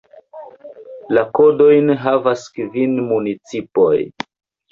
La kodojn havas kvin municipoj.